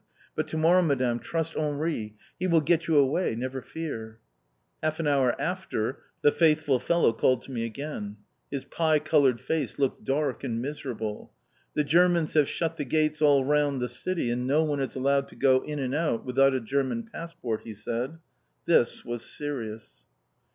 But to morrow, Madame, trust Henri; He will get you away, never fear!" Half an hour after, the faithful fellow called to me again. His pie coloured face looked dark and miserable. "The Germans have shut the gates all round the city and no one is allowed to go in and out without a German passport!" he said. This was serious.